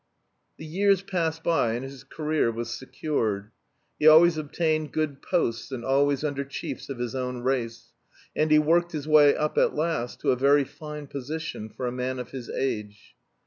The years passed by and his career was secured. He always obtained good posts and always under chiefs of his own race; and he worked his way up at last to a very fine position for a man of his age.